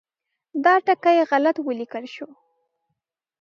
دا ټکی غلط ولیکل شو.